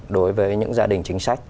đối với những gia đình chính sách